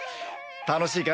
楽しいか？